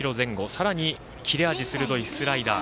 さらに切れ味鋭いスライダー。